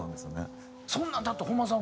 そんなんだって本間さん